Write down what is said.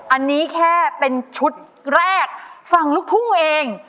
อันนี้แค่เป็นชุดแรกฝั่งลูกทุ่งเอง